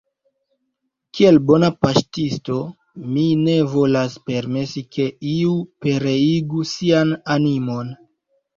Kiel bona paŝtisto, mi ne volas permesi, ke iu pereigu sian animon.